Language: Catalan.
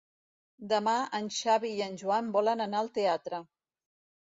Demà en Xavi i en Joan volen anar al teatre.